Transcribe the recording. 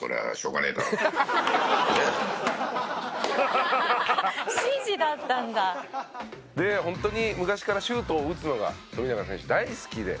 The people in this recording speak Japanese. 「ハハハハ！」でホントに昔からシュートを打つのが富永選手大好きで。